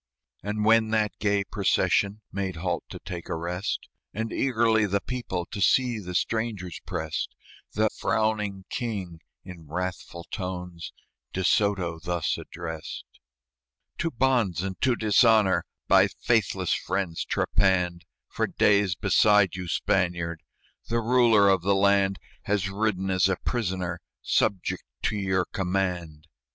And when that gay procession Made halt to take a rest, And eagerly the people To see the strangers prest, The frowning King, in wrathful tones, De Soto thus addressed: "To bonds and to dishonor By faithless friends trepanned, For days beside you, Spaniard, The ruler of the land Has ridden as a prisoner, Subject to your command.